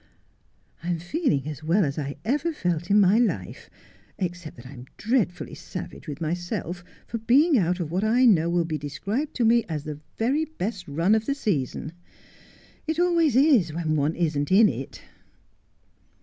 ' I am feeling as well as I ever felt in my life, except that I am dreadfully savage with myself for being out of what I know will be described to me as the very best run of the season. It always is when one isn't in it.'